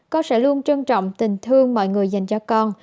con sẽ luôn trân trọng tình thương mọi người dành cho con